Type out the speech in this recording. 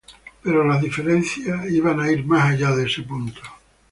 Pero las diferencias iban a ir más allá de este punto.